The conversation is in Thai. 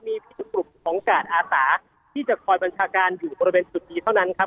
มีเพียงกลุ่มของกาดอาสาที่จะคอยบัญชาการอยู่บริเวณจุดนี้เท่านั้นครับ